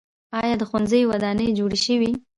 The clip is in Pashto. آیا د ښوونځیو ودانۍ جوړې شوي؟